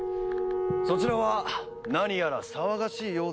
そちらは何やら騒がしいようですね。